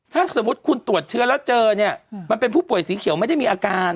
ถ้าสมมุติคุณตรวจเชื้อแล้วเจอเนี่ยมันเป็นผู้ป่วยสีเขียวไม่ได้มีอาการ